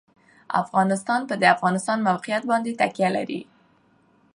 افغانستان په د افغانستان د موقعیت باندې تکیه لري.